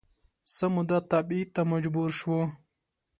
څه موده تبعید ته مجبور شو